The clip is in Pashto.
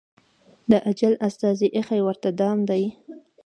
د اجل استازي ایښی ورته دام دی